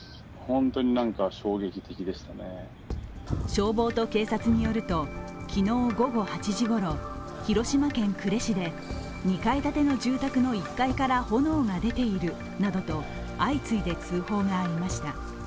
消防と警察によると、昨日午後８時ごろ、広島県呉市で２階建ての住宅の１階から炎が出ているなどと相次いで通報がありました。